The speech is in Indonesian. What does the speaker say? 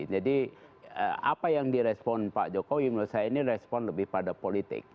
jadi apa yang di respon pak jokowi menurut saya ini respon lebih pada politik